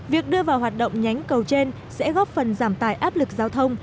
việc đưa vào hoạt động nhánh cầu trên sẽ góp phần giảm tài áp lực giao thông